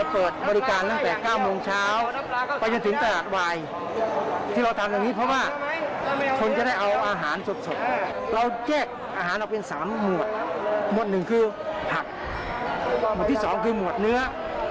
ที่๓คือหมวดเนื้อ